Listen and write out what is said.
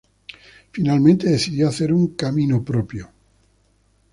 Finalmente, decidió hacer un camino propio.